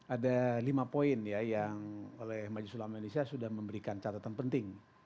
ada lima poin ya yang oleh majelis ulama indonesia sudah memberikan catatan penting